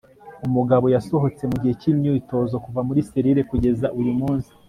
Umugabo yasohotse mugihe cyimyitozo kuva muri selile kugeza uyu munsi